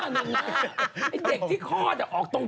ไอ้เด็กที่คลอดออกตรง